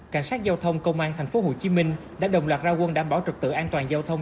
cảnh sát giao thông công an tp hcm đã đồng loạt ra quân đảm bảo trực tự an toàn giao thông